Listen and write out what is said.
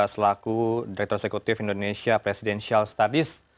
selaku direktur eksekutif indonesia presidential studies